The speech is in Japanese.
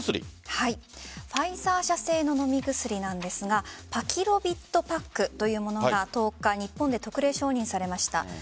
ファイザー社製の飲み薬なんですがパキロビッドパックというものが１０日日本で特例承認されました。